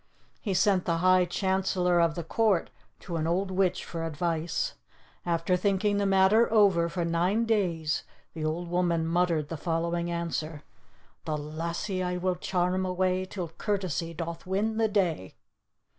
He sent the high chancellor of the court to an old witch for advice. After thinking the matter over for nine days, the old woman muttered the following answer: "The lassie will I charm away 'Till courtesy doth win the day."